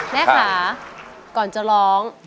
แม่ค่ะก่อนจะร้อง